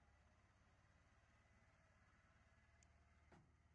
Ama qunqankichikchu qamkuna.